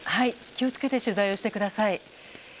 気をつけて取材をしてください。